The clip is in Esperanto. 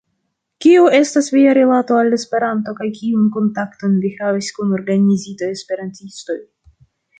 Kiu estas via rilato al Esperanto kaj kiujn kontaktojn vi havis kun organizitaj esperantistoj?